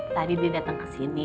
tadi dia dateng kesini